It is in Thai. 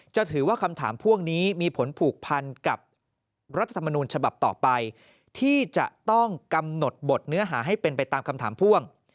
จะถือว่าคำถามพ่วงนี้มีผลผูกพันกับรัฐธรรมนูญฉบับต่อไปที่จะต้องกำหนดบทเนื้อหาให้เป็นไปตามคำถามพ่วง